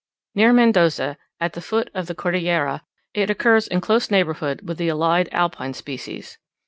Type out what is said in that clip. Near Mendoza, at the foot of the Cordillera, it occurs in close neighbourhood with the allied alpine species.